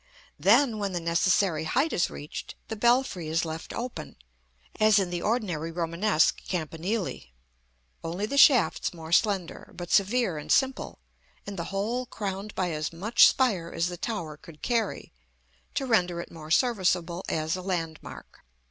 Then, when the necessary height is reached, the belfry is left open, as in the ordinary Romanesque campanile, only the shafts more slender, but severe and simple, and the whole crowned by as much spire as the tower would carry, to render it more serviceable as a landmark.